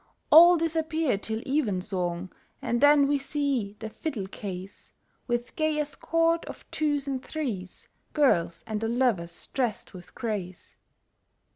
All disappear till evensong, And then we see the fiddle case, With gay escort of twos and threes, Girls and their lovers drest with grace.